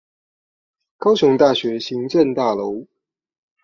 高雄大學行政大樓